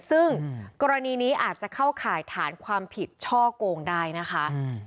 ซึ่งกรณีนี้อาจจะเข้าข่ายฐานความผิดช่อกงได้นะคะ